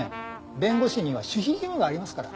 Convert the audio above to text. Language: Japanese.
弁護士には守秘義務がありますから。